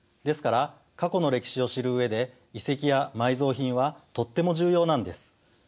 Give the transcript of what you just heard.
ですから過去の歴史を知る上で遺跡や埋蔵品はとっても重要なんです。